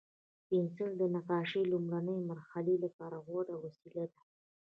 پنسل د نقاشۍ لومړني مرحلې لپاره غوره وسیله ده.